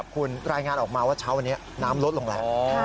คุณรายงานออกมาว่าเช้าวันนี้น้ำลดลงแล้ว